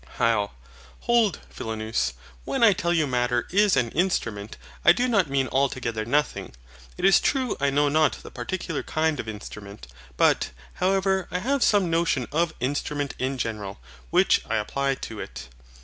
HYL. Hold, Philonous. When I tell you Matter is an INSTRUMENT, I do not mean altogether nothing. It is true I know not the particular kind of instrument; but, however, I have some notion of INSTRUMENT IN GENERAL, which I apply to it.